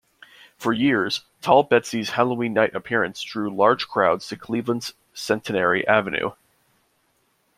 For years, Tall Betsy's Halloween night appearance drew large crowds to Cleveland's Centenary Avenue.